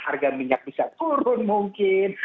harga minyak bisa turun mungkin